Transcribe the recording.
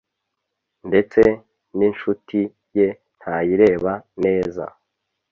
ndetse n’incuti ye ntayireba neza